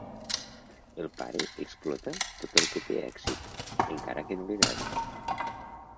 El pare explota tot el que té èxit, encara que no li agradi.